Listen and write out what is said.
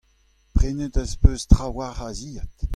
Prenet ez peus trawalc'h a zilhad.